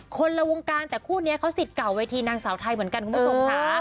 คนละวงการแต่คู่นี้เขาสิทธิ์เก่าเวทีนางสาวไทยเหมือนกันคุณผู้ชมค่ะ